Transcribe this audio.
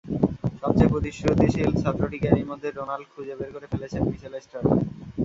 সবচেয়ে প্রতিশ্রুতিশীল ছাত্রটিকে এরই মধ্যে ডোনাল্ড খুঁজে বের করে ফেলেছেন—মিচেল স্টার্ক।